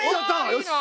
よし！